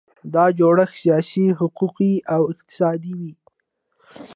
دا جوړښت سیاسي، حقوقي او اقتصادي وي.